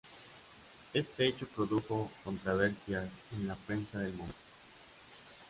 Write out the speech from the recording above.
Este hecho produjo controversias en la prensa del momento.